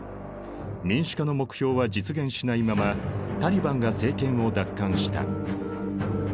民主化の目標は実現しないままタリバンが政権を奪還した。